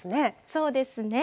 そうですね。